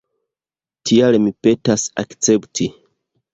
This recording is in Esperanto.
Tial mi petas akcepti.